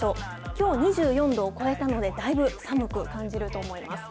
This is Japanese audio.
きょう２４度を超えたので、だいぶ寒く感じると思います。